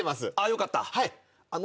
よかった。